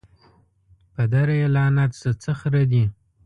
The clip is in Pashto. پدر یې لعنت سه څه خره دي